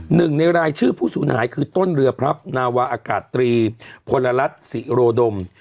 หนึ่งในรายชื่อผู้สูญหายคือต้นเรือพลับนาวาอากาศตรีพลรัฐศิโรดม